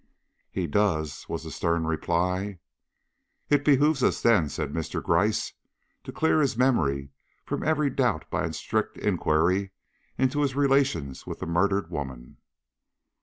"He does," was the stern reply. "It behooves us, then," said Mr. Gryce, "to clear his memory from every doubt by a strict inquiry into his relations with the murdered woman."